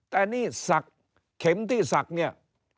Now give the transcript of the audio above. แต่อันนี้สักเข็มที่สักเนี่ย